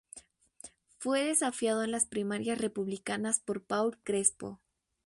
Fue desafiado en las primarias republicanas por Paul Crespo.